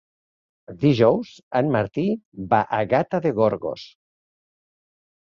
Dijous en Martí va a Gata de Gorgos.